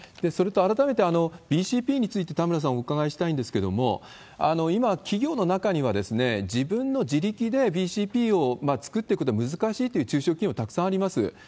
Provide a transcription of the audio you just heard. それと改めてＢＣＰについて田村さん、お伺いしたいんですけれども、今、企業の中には、自分の自力でＢＣＰを作っていくということは難しいという中小企業、たくさんあります。